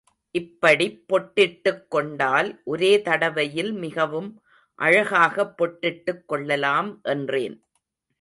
இப்படிப் பொட்டிட்டுக் கொண்டால், ஒரே தடவையில் மிகவும் அழகாகப் பொட்டிட்டுக் கொள்ளலாம் என்றேன்.